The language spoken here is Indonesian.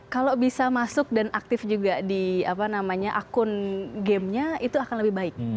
kalau bisa masuk dan aktif juga di akun gamenya itu akan lebih baik